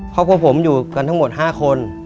ครอบครัวผมอยู่กันทั้งหมด๕คน